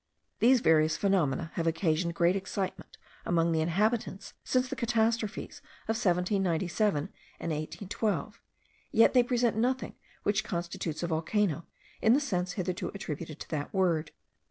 These various phenomena have occasioned great excitement among the inhabitants since the catastrophes of 1797 and 1812: yet they present nothing which constitutes a volcano, in the sense hitherto attributed to that word.